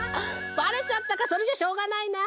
ばれちゃったかそれじゃしょうがないな。